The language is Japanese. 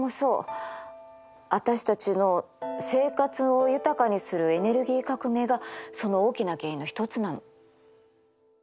私たちの生活を豊かにするエネルギー革命がその大きな原因の一つなの。